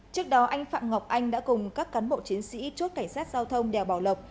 trước đó anh phạm ngọc anh đã cùng các cán bộ chiến sĩ chốt cảnh sát giao thông đèo bảo lộc